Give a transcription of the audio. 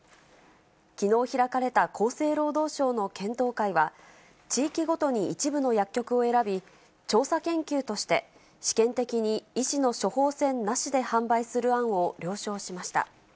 きのう開かれた厚生労働省の検討会は、地域ごとに一部の薬局を選び、調査研究として試験的に医師の処方箋なしで販売する案を了承しました。